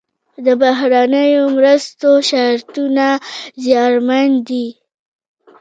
د بهرنیو مرستو شرطونه زیانمن دي.